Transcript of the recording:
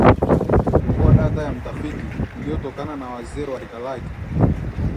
Kwa kuwa data ya mtafiti ilitokana na wazee wa rika lake